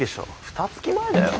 ふたつき前だよ？